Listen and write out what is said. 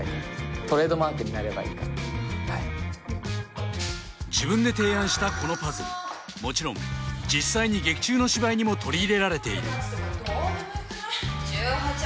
トレードマークになればいいかな自分で提案したこのパズルもちろん実際に劇中の芝居にも取り入れられている１８億